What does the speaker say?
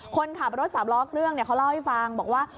คนขับรถสามล้อเครื่องเขาเล่าให้ฟังบอกว่า